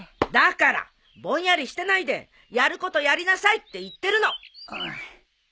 だからぼんやりしてないでやることやりなさいって言ってるの。